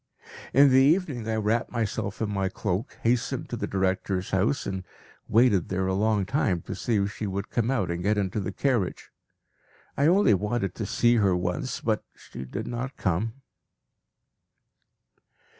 In the evening I wrapped myself in my cloak, hastened to the director's house, and waited there a long time to see if she would come out and get into the carriage. I only wanted to see her once, but she did not come.